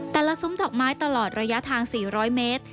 ซุ้มดอกไม้ตลอดระยะทาง๔๐๐เมตร